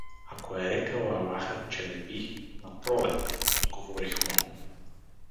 — Ако е рекъл аллахът, челеби, напролет — отговори Хуно.